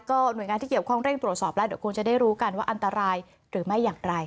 หน่วยงานที่เกี่ยวข้องเร่งตรวจสอบแล้วเดี๋ยวคงจะได้รู้กันว่าอันตรายหรือไม่อย่างไร